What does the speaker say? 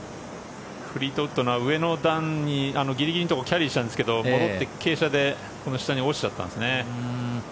フリートウッドは上の段にギリギリのところキャリーしたんですけど傾斜で下に戻っちゃったんですね。